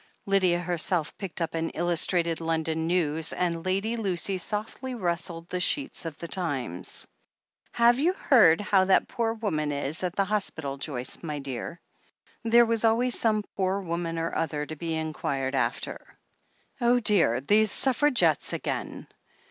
Lydia herself picked up an Illustrated London News, and Lady Lucy softly rustled the sheets of the Times. "Have you heard how that poor woman is, at the hospital, Joyce, my dear?" There was always some poor woman or other to be inquired after. "Oh, dear, these Suffragettes again!"